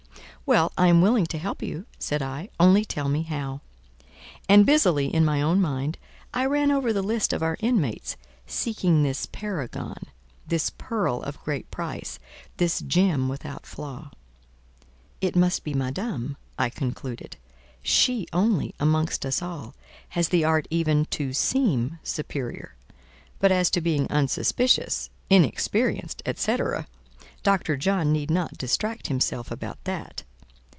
"Well, I am willing to help you," said I, "only tell me how." And busily, in my own mind, I ran over the list of our inmates, seeking this paragon, this pearl of great price, this gem without flaw. "It must be Madame," I concluded. "She only, amongst us all, has the art even to seem superior: but as to being unsuspicious, inexperienced, &c., Dr. John need not distract himself about that.